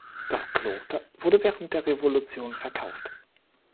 Das Kloster wurde während der Revolution verkauft.